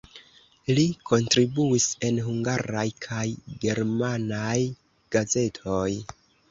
Li kontribuis en hungaraj kaj germanaj gazetoj.